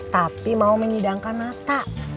tapi mau menidangkan mata